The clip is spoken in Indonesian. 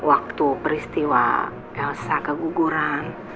waktu peristiwa elsa keguguran